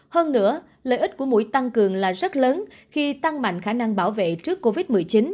hơn nữa lợi ích của mũi tăng cường là rất lớn khi tăng mạnh khả năng bảo vệ trước covid một mươi chín